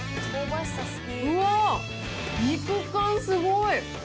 うわー、肉感すごい！